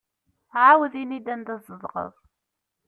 Ԑawed ini-d anda tzedɣeḍ.